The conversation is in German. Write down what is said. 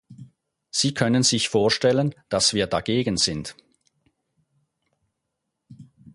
Sie können sich vorstellen, dass wir dagegen sind.